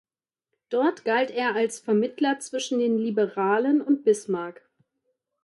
Dort galt er als Vermittler zwischen den Liberalen und Bismarck.